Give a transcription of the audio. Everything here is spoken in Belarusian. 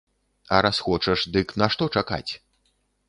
А раз хочаш, дык нашто чакаць?